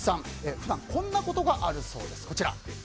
普段こんなことがあるそうです。